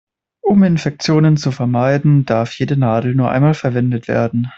Um Infektionen zu vermeiden, darf jede Nadel nur einmal verwendet werden.